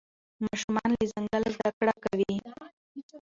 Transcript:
ماشومان له ځنګله زده کړه کوي.